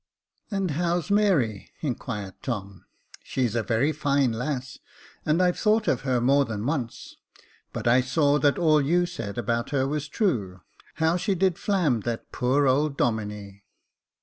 " And how's Mary ?" inquired Tom ;" she's a very fine lass, and I've thought of her more than once ; but I saw that all you said about her was true. How she did flam that poor old Domine